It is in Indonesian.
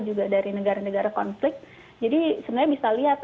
juga dari negara negara konflik jadi sebenarnya bisa lihat